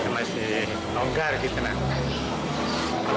masih nonggar gitu